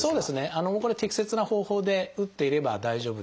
適切な方法で打っていれば大丈夫です。